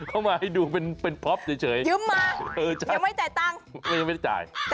เขามาให้ดูเป็นป๊อปเฉย